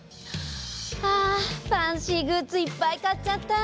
あファンシーグッズいっぱい買っちゃった。